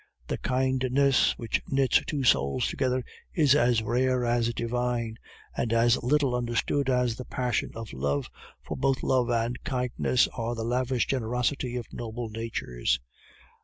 The kindness which knits two souls together is as rare, as divine, and as little understood as the passion of love, for both love and kindness are the lavish generosity of noble natures.